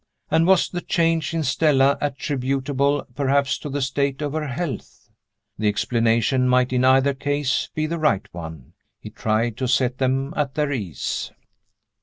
And was the change in Stella attributable, perhaps, to the state of her health? The explanation might, in either case, be the right one. He tried to set them at their ease.